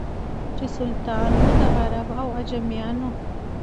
چي سلطان وو د عرب او عجمیانو